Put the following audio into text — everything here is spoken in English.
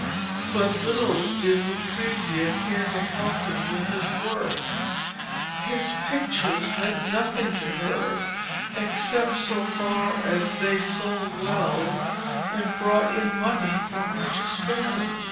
But little did Lucrezia care to help him with his work. His pictures meant nothing to her except so far as they sold well and brought in money for her to spend.